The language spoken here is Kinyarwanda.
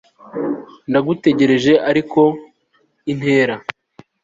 ndagutegereje ariko, intera